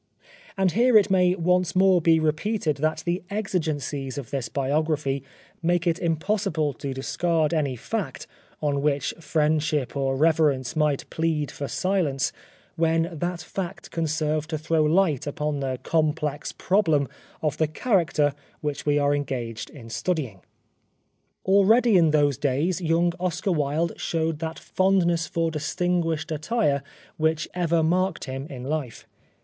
And here it may once more be repeated that the exigencies of this biography make it impossible to discard any fact, on which friendship or reverence might plead for silence, when that fact can serve to throw light upon the complex problem of the character which we are engaged in stud5dng. Already in those days young Oscar Wilde showed that fondness for distinguished attire which ever marked him in life.